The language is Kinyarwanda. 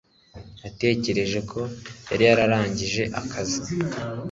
Natekereje ko yari yarangije akazi